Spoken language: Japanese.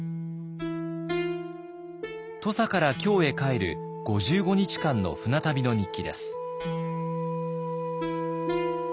土佐から京へ帰る５５日間の船旅の日記です。